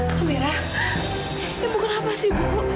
amira ibu kenapa sih bu